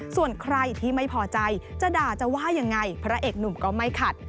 ส่วนใครที่ไม่พอใจจะด่าจะว่ายังไงพระเอกหนุ่มก็ไม่ขัด